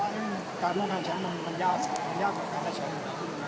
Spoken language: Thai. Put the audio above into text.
สวัสดีครับขออนุญาตถ้าใครถึงแฟนทีลักษณ์ที่เกิดอยู่แล้วค่ะ